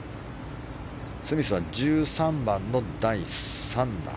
スミスは１３番の第３打。